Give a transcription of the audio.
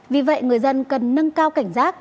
vì vậy người dân cần nâng cao cảnh giác